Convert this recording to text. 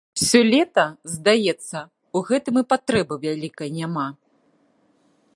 Сёлета, здаецца, у гэтым і патрэбы вялікай няма.